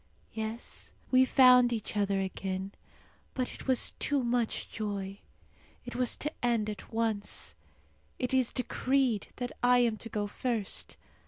Yes, we found each other again; but it was too much joy. It was to end at once. It is decreed that I am to go first.